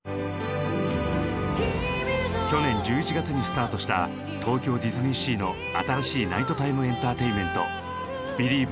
去年１１月にスタートした東京ディズニーシーの新しいナイトタイムエンターテインメント「ビリーヴ！